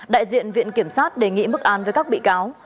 đại diện viện kiểm sát đề nghị mức án với các bị cáo